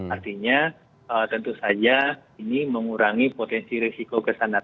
artinya tentu saja ini mengurangi potensi risiko kesan